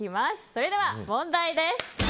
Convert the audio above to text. それでは問題です。